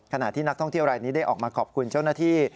ขณะที่นักท่องเที่ยวรายนี้ได้ออกมาขอบคุณเจ้าหน้าที่